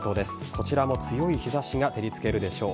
こちらも強い日差しが照りつけるでしょう。